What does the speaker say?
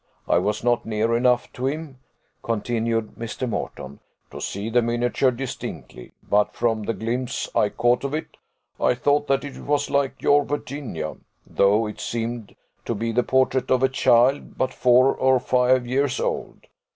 I was not near enough to him," continued Mr. Moreton, "to see the miniature distinctly: but from the glimpse I caught of it, I thought that it was like your Virginia, though it seemed to be the portrait of a child but four or five years old.